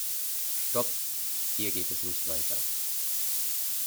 Stopp! Hier geht es nicht weiter.